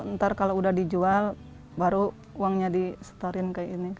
ntar kalau sudah dijual baru uangnya disetarin ke ini